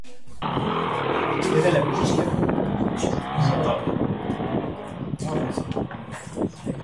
- Լավ, որ այդպես է, էլ ի՞նչպես եք կարողանում ապրել նրա հետ: